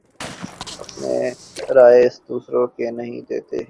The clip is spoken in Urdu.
اپنے رائے دوسروں کے نہیں دیتا